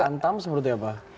untuk antam sepertinya apa